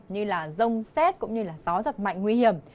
như rông xét gió giật mạnh nguy hiểm